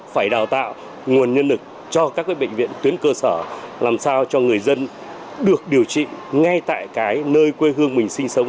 phải đào tạo nguồn nhân lực cho các bệnh viện tuyến cơ sở làm sao cho người dân được điều trị ngay tại cái nơi quê hương mình sinh sống